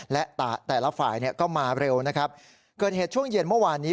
และแต่ละฝ่ายเนี่ยก็มาเร็วนะครับเกิดเหตุช่วงเย็นเมื่อวานนี้